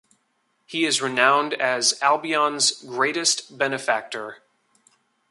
He is renowned as "Albion's Greatest Benefactor".